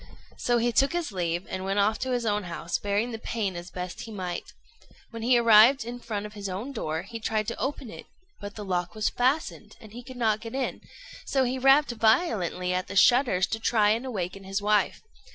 So he took his leave, and went off to his own house, bearing the pain as best he might. When he arrived in front of his own door, he tried to open it; but the lock was fastened, and he could not get in, so he rapped violently at the shutters to try and awaken his wife.